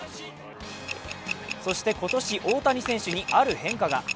そして今年、大谷選手にある変化が。